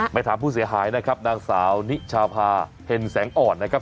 ไปถามผู้เสียหายนะครับนางสาวนิชาพาเห็นแสงอ่อนนะครับ